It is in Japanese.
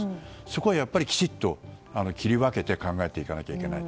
そこはきちっと切り分けて考えていかなきゃいけない。